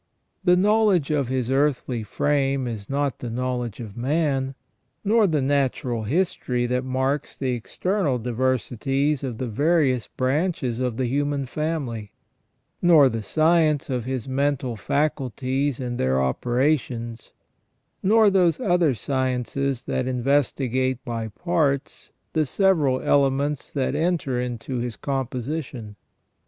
The knowledge of his earthly frame is not the knowledge of man ; nor the natural history that marks the ex ternal diversities of the various branches of the human family ; nor the science of his mental faculties and their operations; nor those other sciences that investigate by parts the several elements that enter into his composition.